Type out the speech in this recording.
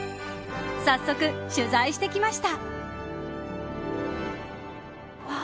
早速、取材してきました。